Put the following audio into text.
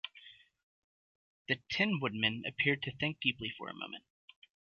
The Tin Woodman appeared to think deeply for a moment.